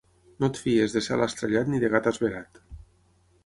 No et fiïs de cel estrellat ni de gat esverat.